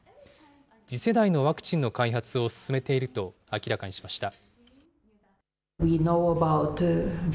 次世代のワクチンの開発を進めていると明らかにしました。